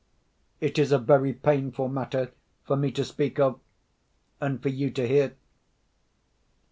It is a very painful matter for me to speak of, and for you to hear."